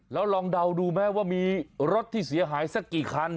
แล้วลองเดาดูไหมว่ามีรถที่เสียหายสักกี่คัน